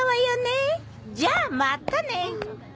じゃあまたね。